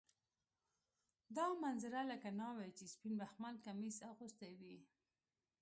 دا منظره لکه ناوې چې سپین بخمل کمیس اغوستی وي.